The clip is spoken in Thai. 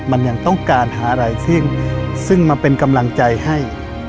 มันยังต้องการหาอะไรซึ่งมาเป็นกำลังใจให้